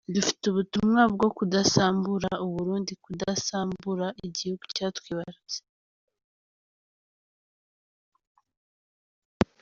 Dufite ubutumwa bwo kudasambura u Burundi, kudasambura igihugu cyatwibarutse.